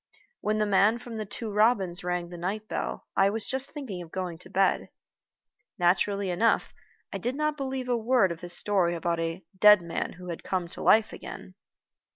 When the man from The Two Robins rang the night bell, I was just thinking of going to bed. Naturally enough, I did not believe a word of his story about "a dead man who had come to life again."